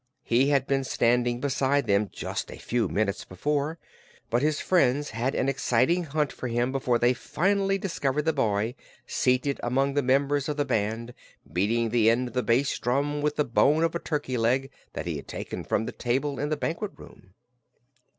He had been standing beside them just a few minutes before, but his friends had an exciting hunt for him before they finally discovered the boy seated among the members of the band, beating the end of the bass drum with the bone of a turkey leg that he had taken from the table in the banquet room.